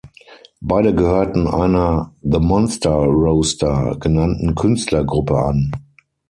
Beide gehörten einer "The Monster Roster" genannten Künstlergruppe an.